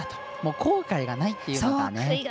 後悔がないっていうのが。